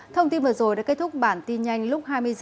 thông tin vừa rồi đã kết thúc bản tin nhanh lúc hai mươi h